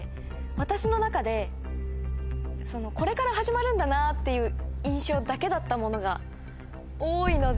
私の中でこれから始まるんだなっていう印象だけだったものが多いので。